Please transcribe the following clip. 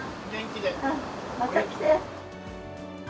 また来て。